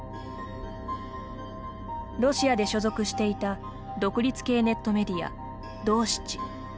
ロシアで所属していた独立系ネットメディア「ドーシチ」。